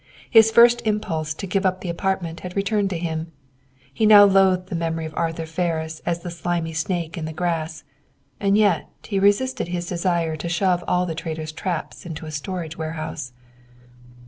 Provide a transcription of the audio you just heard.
His first impulse to give up the apartment had returned to him. He now loathed the memory of Arthur Ferris as the slimy snake in the grass; and yet he resisted his desire to shove all the traitor's traps into a storage warehouse.